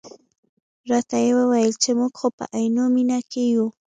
راته یې وویل چې موږ خو په عینومېنه کې یو.